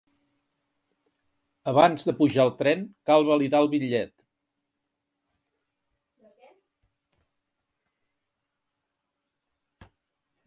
Abans de pujar al tren cal validar el bitllet.